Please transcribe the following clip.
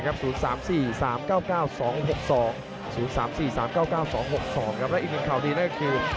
และอีกหนึ่งข่าวดีนั่นก็คือ